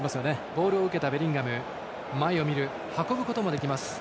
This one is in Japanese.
ボールを受けたベリンガム運ぶこともできます。